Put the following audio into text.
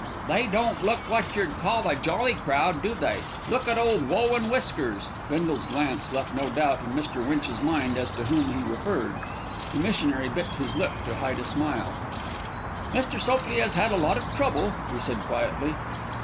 "They don't look wot yer'd call a jolly crowd, do they? Look at ole Woe an' Whiskers." Bindle's glance left no doubt in Mr. Winch's mind as to whom he referred. The missionary bit his lip to hide a smile. "Mr. Sopley has had a lot of trouble," he said quietly.